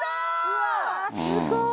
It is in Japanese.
すごい。